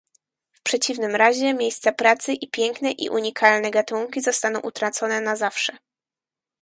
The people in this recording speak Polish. W przeciwnym razie miejsca pracy i piękne i unikalne gatunki zostaną utracone na zawsze